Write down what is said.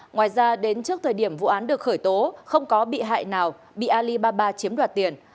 ngoài ra đến trước thời điểm vụ án được khởi tố không có bị hại nào bị alibaba chiếm đoạt tiền